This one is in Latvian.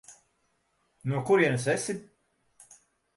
No kurienes esi?